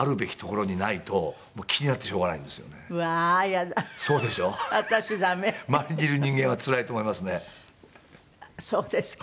周りにいる人間はつらいと思いますね。